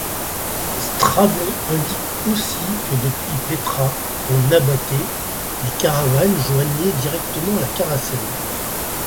Strabon indique aussi que depuis Pétra, en Nabathée, les caravanes joignaient directement la Characène.